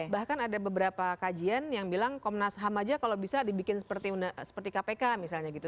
bahkan ada beberapa kajian yang bilang komnas ham aja kalau bisa dibikin seperti kpk misalnya gitu